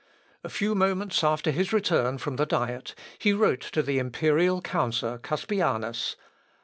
A few moments after his return from the Diet, he wrote to the imperial counsellor Cuspianus.